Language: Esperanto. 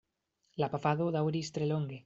La pafado daŭris tre longe.